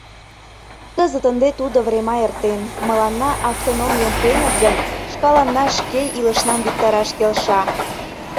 Кызыт ынде тудо врема эртен: мыланна автономийым пуэныт гын, шкаланна шке илышнам виктараш келша.